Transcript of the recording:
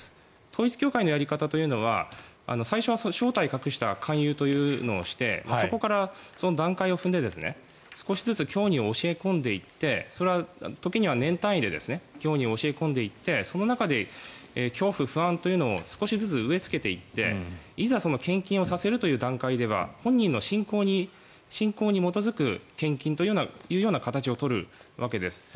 統一教会のやり方は最初は正体を隠した勧誘というのをしてそこから段階を踏んで少しずつ教義を教え込んでいってそれは時には年単位で教義を教え込んでいってその中で恐怖、不安というのを少しずつ植えつけていっていざ献金をさせるという段階では本人の信仰に基づく献金というような形を取るわけです。